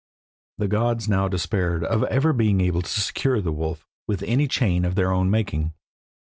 The gods now despaired of ever being able to secure the wolf with any chain of their own making.